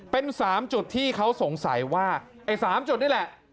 เป็น๓จุดที่เขาสงสัยว่าไอ้๓จุดนี่แหละ